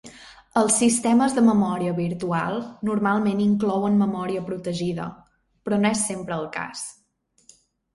Els sistemes de memòria virtual normalment inclouen memòria protegida, però no és sempre el cas.